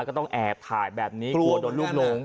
ก็ต้องแอบถ่ายแบบนี้กลัวโดนลูกหลง